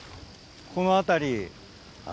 この辺り。